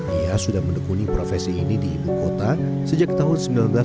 ia sudah menekuni profesi ini di ibu kota sejak tahun seribu sembilan ratus sembilan puluh